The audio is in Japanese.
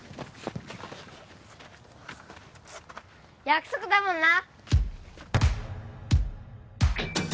約束だもんな